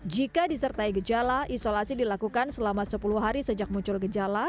jika disertai gejala isolasi dilakukan selama sepuluh hari sejak muncul gejala